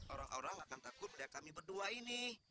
orang orang akan takut ya kami berdua ini